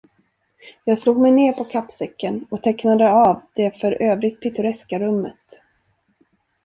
Jag slog mig ned på kappsäcken och tecknade av det för övrigt pittoreska rummet.